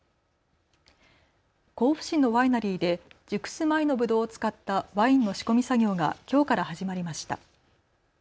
甲府市のワイナリーで熟す前のぶどうを使ったワインの仕込み作業がきょうから始まりました。